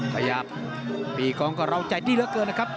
ขยับปีกองกับเราใจดีเหลือเกินนะครับ